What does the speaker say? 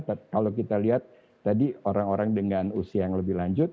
jadi kalau kita lihat tadi orang orang dengan usia yang lebih lanjut